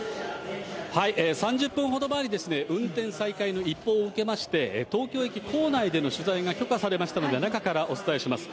３０分ほど前に運転再開の一報を受けまして、東京駅構内での取材が許可されましたので、中からお伝えします。